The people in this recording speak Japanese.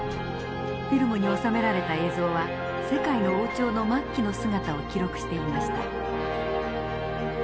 フィルムに収められた映像は世界の王朝の末期の姿を記録していました。